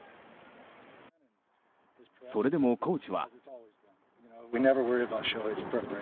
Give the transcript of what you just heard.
それでもコーチは。